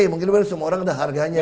mungkin kan semua orang udah harganya